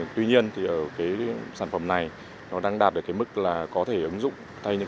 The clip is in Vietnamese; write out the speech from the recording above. tuy nhiên thì ở cái sản phẩm này nó đang đạt được cái mức là có thể ứng dụng giống cánh tay người